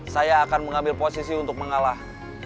saya akan mengambil posisi untuk mengalah